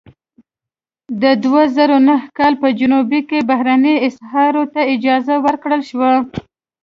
د دوه زره نهه کال په جنوري کې بهرنیو اسعارو ته اجازه ورکړل شوه.